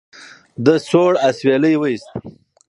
ده سوړ اسویلی وایست.